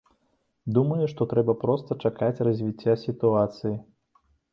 Думаю, што трэба проста чакаць развіцця сітуацыі.